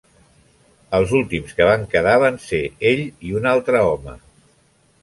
Els últims que van quedar van ser ell i un altre home.